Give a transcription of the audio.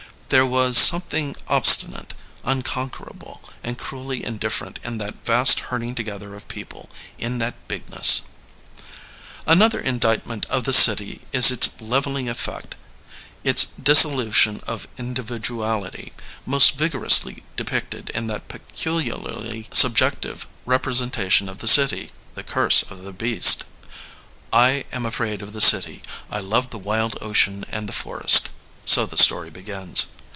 There was something obstinate, unconquerable and cruelly in different in that vast herding together of people, in that bigness." 16 LEONID ANDREYEV Another indictment of the city is its levelling ef fect, its dissolution of individuality, most vigor ously depicted in that peculiarly subjective repre sentation of the city. The Curse of the Beast. I am afraid of the city, I love the wild ocean and the forest, '* so the story begins.